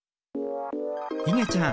いげちゃん